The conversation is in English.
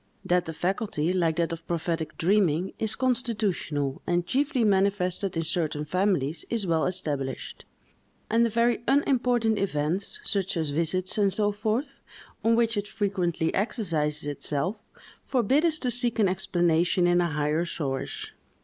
That the faculty, like that of prophetic dreaming, is constitutional, and chiefly manifested in certain families, is well established; and the very unimportant events, such as visits, and so forth, on which it frequently exercises itself, forbid us to seek an explanation in a higher source.